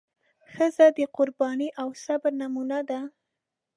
ښځه د قربانۍ او صبر نمونه ده.